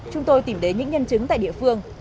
chúng tôi tìm đến những nhân chứng tại địa phương